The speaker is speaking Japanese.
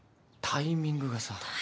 タイミングって。